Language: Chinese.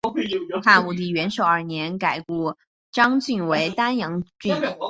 汉武帝元狩二年改故鄣郡为丹阳郡。